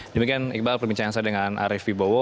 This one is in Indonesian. demikian iqbal perbincangan saya dengan arief vibowo